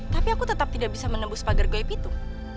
tapi aku tetap tidak bisa menembus pagar gaib itu